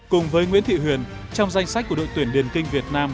cùng với nguyễn thị huyền trong danh sách của đội tuyển điền kinh việt nam